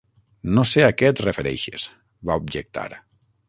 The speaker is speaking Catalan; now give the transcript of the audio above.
"No sé a què et refereixes", va objectar.